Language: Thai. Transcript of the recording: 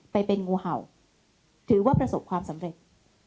ไปเป็นงูเห่าถือว่าประสบความสำเร็จ